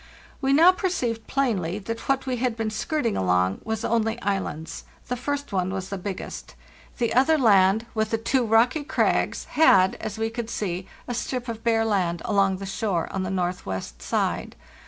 We now perceived plainly that what we had been skirting along was only islands. The first one was the biggest. The other land, foto) 344 FARTHEST NORTH with the two rocky crags, had, as we could see, a strip of bare land along the shore on the northwest side.